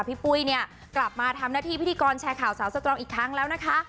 ปุ้ยเนี่ยกลับมาทำหน้าที่พิธีกรแชร์ข่าวสาวสตรองอีกครั้งแล้วนะคะ